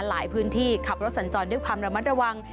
หลายพื้นที่ขับรถสัญจรด้วยความระมัดระวัง